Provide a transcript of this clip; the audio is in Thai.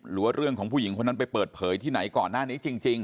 หรือว่าเรื่องของผู้หญิงคนนั้นไปเปิดเผยที่ไหนก่อนหน้านี้จริง